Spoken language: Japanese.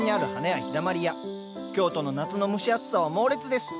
京都の夏の蒸し暑さは猛烈です。